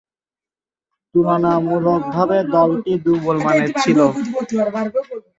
তুলনামূলকভাবে দলটি দূর্বলমানের ছিল।